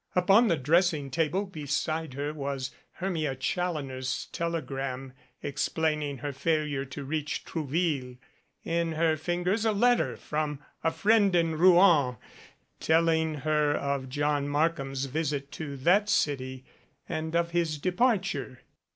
Upon the dressing table beside her was Hermia Challoner's telegram, explaining her failure to reach Trouville ; in her fingers a letter from 165 MADCAP a friend in Rouen telling her of John Markham's visit to that city and of his departure.